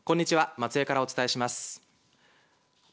松江からお伝えします。